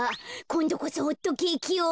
こんどこそホットケーキを。